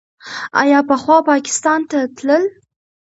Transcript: آیا پخوا پاکستان ته تلل؟